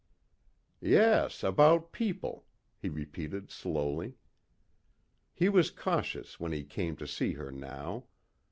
"Yes, about people," he repeated slowly. He was cautious when he came to see her now.